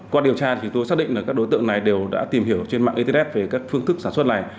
qua điều tra thì tôi xác định là các đối tượng này đều đã tìm hiểu trên mạng internet về các phương thức sản xuất này